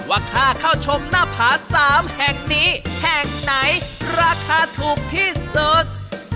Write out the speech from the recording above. ว่าค่าเข้าชมหน้าผา๓แห่งนี้แห่งไหนราคาถูกที่สุด